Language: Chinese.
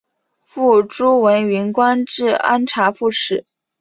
父朱文云官至按察副使。